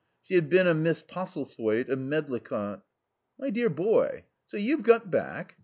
She had been a Miss Postlethwaite, of Medlicott. "My dear boy so you've got back?"